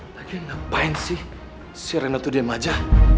lagi ngapain sih si reno tuh diem aja